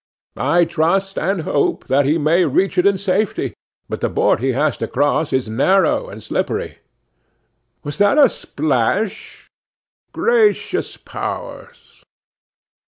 I trust and hope that he may reach it in safety; but the board he has to cross is narrow and slippery. Was that a splash? Gracious powers!